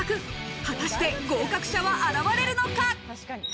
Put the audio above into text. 果たして合格者は現れるのか。